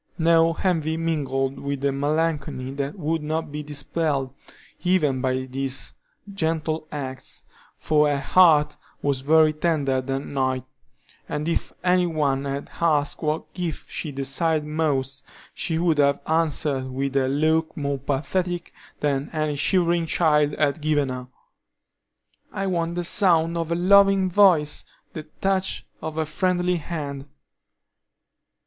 No envy mingled with the melancholy that would not be dispelled even by these gentle acts, for her heart was very tender that night, and if any one had asked what gifts she desired most, she would have answered with a look more pathetic than any shivering child had given her: "I want the sound of a loving voice; the touch of a friendly hand."